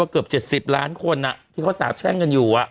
เกือบ๗๐ล้านคนที่เขาสาบแช่งกันอยู่